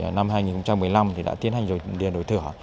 ở địa phương thì năm hai nghìn một mươi năm thì đã tiến hành rồi điền đổi thửa